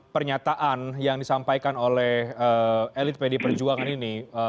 pernyataan yang disampaikan oleh elit pd perjuangan ini